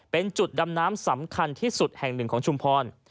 เป็นจุดดำน้ำสำคัญที่สุดแห่งหนึ่งของชุมพร